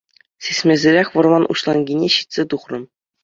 Сисмесӗрех вӑрман уҫланкине ҫитсе тухрӑм.